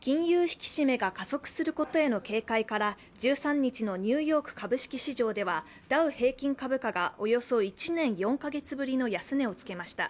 引き締めが加速することへの警戒から１３日のニューヨーク株式市場ではダウ平均株価がおよそ１年４カ月ぶりの安値をつけました。